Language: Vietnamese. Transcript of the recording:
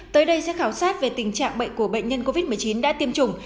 tới đây sẽ khảo sát về tình trạng bệnh của bệnh nhân covid một mươi chín đã tiêm chủng